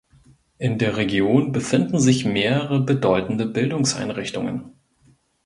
In der Region befinden sich mehrere bedeutende Bildungseinrichtungen.